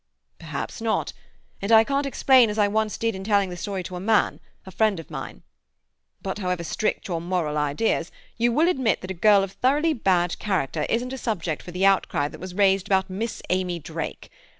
"Perhaps not, and I can't explain as I once did in telling the story to a man, a friend of mine. But however strict your moral ideas, you will admit that a girl of thoroughly bad character isn't a subject for the outcry that was raised about Miss Amy Drake.